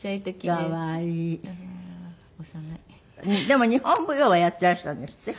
でも日本舞踊をやっていらしたんですって？